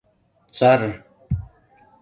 ڎر